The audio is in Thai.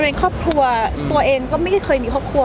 เป็นครอบครัวตัวเองก็ไม่ได้เคยมีครอบครัว